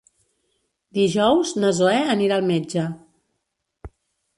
Dijous na Zoè anirà al metge.